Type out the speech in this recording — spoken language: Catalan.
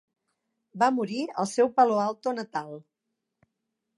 Va morir al seu Palo Alto natal.